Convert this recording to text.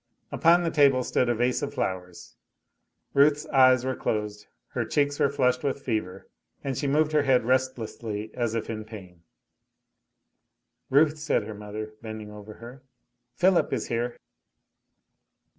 Upon the table stood a vase of flowers. Ruth's eyes were closed; her cheeks were flushed with fever, and she moved her head restlessly as if in pain. "Ruth," said her mother, bending over her, "Philip is here."